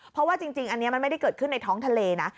เพราะว่าจริงอันนี้มันไม่ได้เกิดขึ้นในท้องทะเลนะ